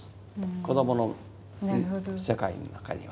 子どもの世界の中には。